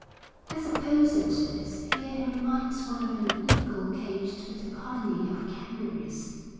'I suppose it is. Here he reminds one of an eagle caged with a colony of canaries.'